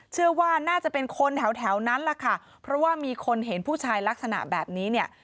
เชื่อว่าน่าจะเป็นคนแถวแถวนั้นแหละค่ะเพราะว่ามีคนเห็นผู้ชายลักษณะแบบนี้เนี่ย